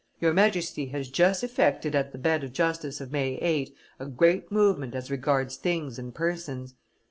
Your Majesty has just effected at the bed of justice of May 8, a great movement as regards things and persons.